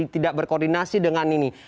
tidak berkoordinasi dengan ini